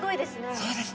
そうですね。